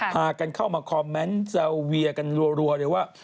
พากันเข้ามาคอมเมนต์แซวเวียกันรัวเลยว่า